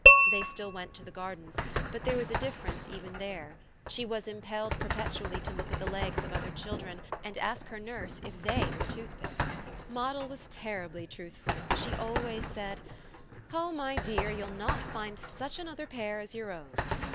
They still went to the Gardens, but there was a difference even there; she was impelled perpetually to look at the legs of other children and ask her nurse if THEY were toothpicks. Moddle was terribly truthful; she always said: "Oh my dear, you'll not find such another pair as your own."